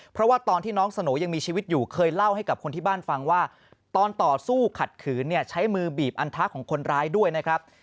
เพราะว่าตอนที่น้องสโหยังมีชีวิตอยู่เคยเล่าให้กับคนที่บ้านฟังว่าตอนต่อสู้ขัดขืนเนี่ยใช้มือบีบอันทะของคนร้ายด้วยนะครับ